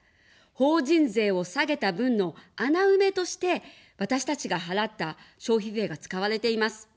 法人税を下げた分の穴埋めとして、私たちが払った消費税が使われています。